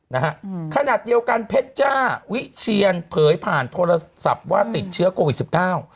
นะฮะอืมขนาดเดียวกันเพชรจ้าวิเชียนเผยผ่านโทรศัพท์ว่าติดเชื้อโควิดสิบเก้า